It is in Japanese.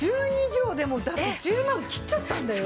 １２畳でもだって１０万切っちゃったんだよ？